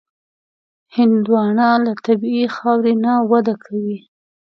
هندوانه له طبیعي خاورې نه وده کوي.